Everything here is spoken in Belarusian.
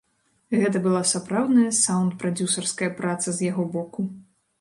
Гэта была сапраўдная саўнд-прадзюсарская праца з яго боку.